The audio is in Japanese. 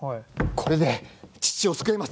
これで父を救えます！